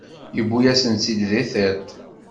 Yewwi-yasen-tt-id di tiṭ.